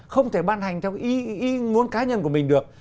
không thể ban hành theo ý muốn cá nhân của mình được